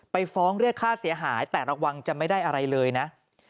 ไปฟ้องเรียกค่าเสียหายแต่ระวังจะไม่ได้อะไรเลยนะ